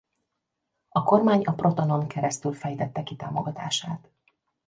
A kormány a Protonon keresztül fejtette ki támogatását.